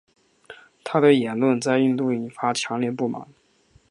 他的言论在印度引发强烈不满。